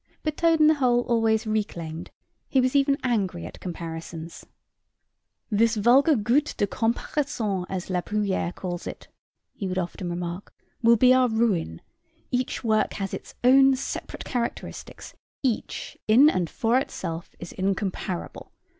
But Toad in the hole always "reclaimed" he was even angry at comparisons. "This vulgar gout de comparaison, as La Bruyère calls it," he would often remark, "will be our ruin; each work has its own separate characteristics each in and for itself is incomparable.